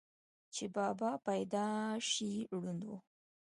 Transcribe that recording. چې بابا پېدائشي ړوند وو،